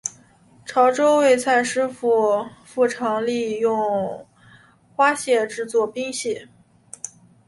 潮洲味菜师傅常利用花蟹制作冻蟹。